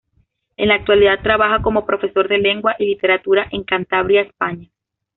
En la actualidad trabaja como profesor de lengua y literatura en Cantabria, España.